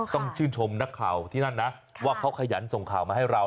ต้องชื่นชมนักข่าวที่นั่นนะว่าเขาขยันส่งข่าวมาให้เรา